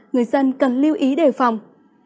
người dân cần lưu ý đề phòng